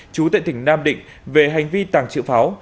chú tại tỉnh nam định về hành vi tảng chữ pháo